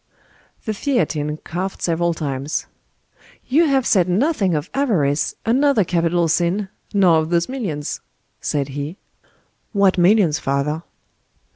The Theatin coughed several times. "You have said nothing of avarice, another capital sin, nor of those millions," said he. "What millions, father?"